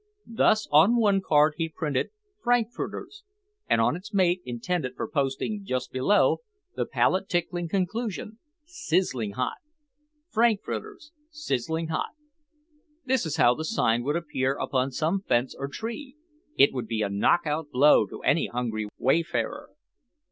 Thus on one card he printed FRANKFURTERS and on its mate intended for posting just below, the palate tickling conclusion, SIZZLING HOT. FRANKFURTERS SIZZLING HOT ⇾ This is how the sign would appear upon some fence or tree. It would be a knockout blow to any hungry wayfarer.